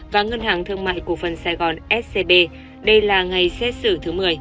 và ngân hàng thương mại cổ phần sài gòn scb đây là ngày xét xử thứ một mươi